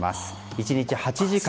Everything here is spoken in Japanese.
１日８時間。